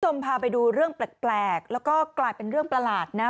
พาไปดูเรื่องแปลกแล้วก็กลายเป็นเรื่องประหลาดนะ